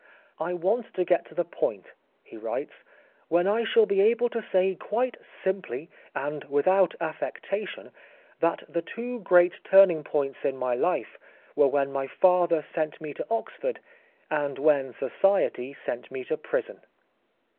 " I want to get to the point," he writes, " when I shall be able to say quite simply, and without affectation, that the two great turning points in my life were when my father sent me to Oxford, and when society sent me to prison."